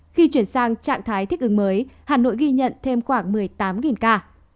khi chuyển sang trạng thái thích ứng mới hà nội ghi nhận thêm khoảng một mươi tám ca